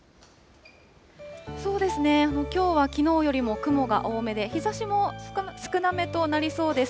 そうですね、きょうはきのうよりも雲が多めで、日ざしも少なめとなりそうです。